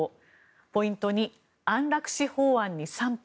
ポイント２、安楽死法案に賛否